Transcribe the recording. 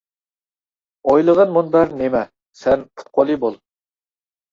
ئويلىغىن مۇنبەر نېمە؟ سەن پۇت قولى بول.